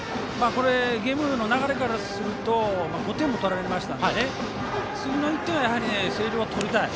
ゲームの流れからすると５点も取られましたので次の１点は星稜は取りたい。